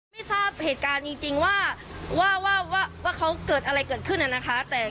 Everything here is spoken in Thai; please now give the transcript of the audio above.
ไม่ทราบเหตุการณ์จริงว่าเขาเกิดอะไรเกิดขึ้นน่ะนะคะ